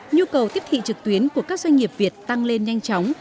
nhu cầu tiếp thị trực tuyến của các doanh nghiệp việt tăng lên nhanh chóng